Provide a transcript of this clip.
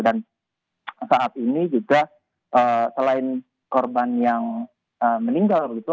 dan saat ini juga selain korban yang meninggal begitu